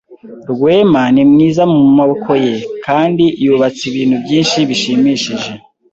Rwema ni mwiza namaboko ye kandi yubatse ibintu byinshi bishimishije.